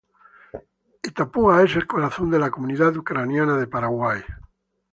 Itapúa es el corazón de la comunidad ucraniana de Paraguay.